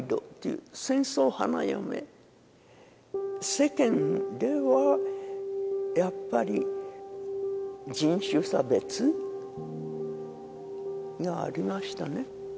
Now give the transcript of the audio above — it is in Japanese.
世間ではやっぱり人種差別がありましたね